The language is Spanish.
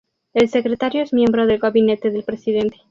El secretario es miembro del gabinete del presidente.